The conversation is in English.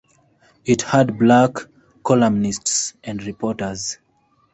It had black columnists and reporters.